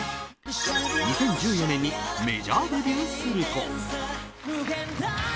２０１４年にメジャーデビューすると。